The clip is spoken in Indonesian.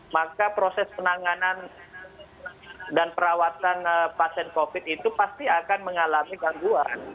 maka proses penanganan dan perawatan pasien covid itu pasti akan mengalami gangguan